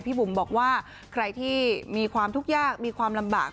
บุ๋มบอกว่าใครที่มีความทุกข์ยากมีความลำบาก